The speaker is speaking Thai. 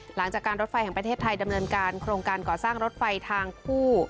หลังจากการรถไฟแห่งประเทศไทยดำเนินการโครงการก่อสร้างรถไฟทางคู่